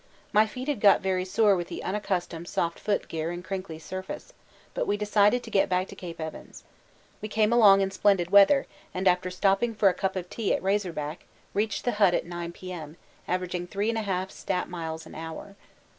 My feet had got very sore with the unaccustomed soft foot gear and crinkly surface, but we decided to get back to Cape Evans. We came along in splendid weather, and after stopping for a cup of tea at Razor Back, reached the hut at 9 P.M., averaging 3 1/2 stat. miles an hour.